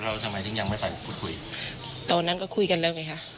ทำไมถึงยังไม่ไปพูดคุยตอนนั้นก็คุยกันแล้วไงคะ